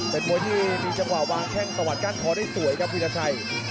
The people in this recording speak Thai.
เป็นมวยที่มีจังหวะวางแข้งตะวัดก้านคอได้สวยครับวิราชัย